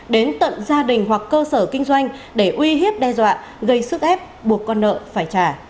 đến tận gia đình hoặc cơ sở kinh doanh để uy hiếp đe dọa gây sức ép buộc con nợ phải trả